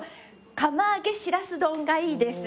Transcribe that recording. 釜あげしらす丼がいいです。